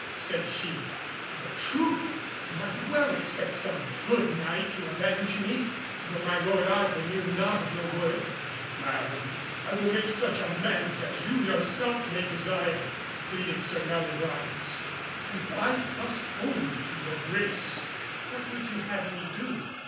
said she; "of a truth I might well expect some good Knight to avenge me, though my lord Arthur knew not of your work." "Madame, I will make such amends as you yourself may desire," pleaded Sir Meliagraunce, "and I trust wholly to your grace." "What would you have me do?"